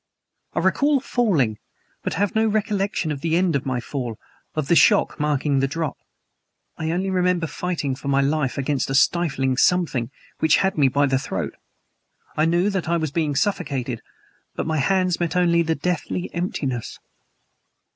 I recall falling but have no recollection of the end of my fall of the shock marking the drop. I only remember fighting for my life against a stifling something which had me by the throat. I knew that I was being suffocated, but my hands met only the deathly emptiness.